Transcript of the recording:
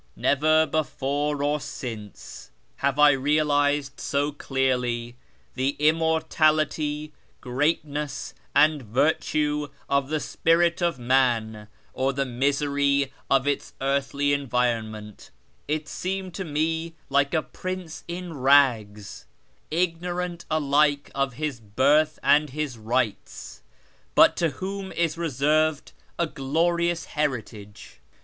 Never before or since have I realised so clearly the immortality, greatness, and virtue of the spirit of man, or the misery of its earthly environment : it seemed to me like a prince in rags, ignorant alike of his birth and his rights, but to whom is reserved a glorious heritage.